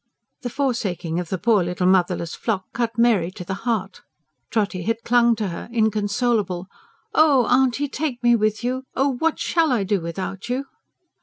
The forsaking of the poor little motherless flock cut Mary to the heart. Trotty had dung to her, inconsolable. "Oh, Auntie, TAKE me with you! Oh, what shall I do without you?"